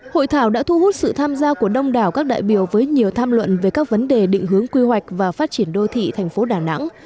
hội thảo đã thu hút sự tham gia của đông đảo các đại biểu với nhiều tham luận về các vấn đề định hướng quy hoạch và phát triển đô thị thành phố đà nẵng